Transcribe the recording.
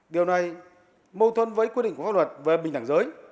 điều này mâu thuẫn với quy định của pháp luật về bình đẳng giới